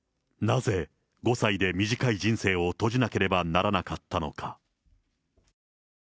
なぜ５歳で短い人生を閉じなければならなかったのか。